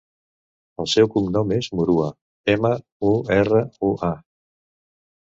El seu cognom és Murua: ema, u, erra, u, a.